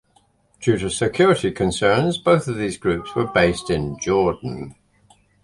Due to security concerns, both of these groups were based in Jordan.